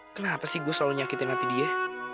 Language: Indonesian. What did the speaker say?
kenapa sih gue selalu nyakitin hati dia